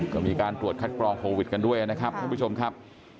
ก็มีการตรวจคัดกรองโควิดกันด้วยนะครับคุณผู้ชมครับ